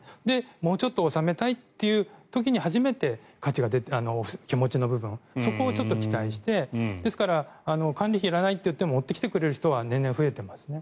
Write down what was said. もうちょっと収めたいという時に初めて気持ちの部分、そこを期待してですから、管理費はいらないと言っても持ってきてくれる人は年々増えてますね。